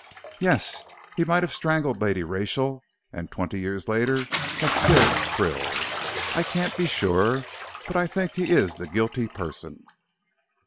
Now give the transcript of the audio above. "Yes. He might have strangled Lady Rachel, and twenty years later have killed Krill. I can't be sure, but I think he is the guilty person."